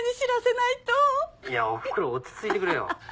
おふくろ落ち着いてくれよ。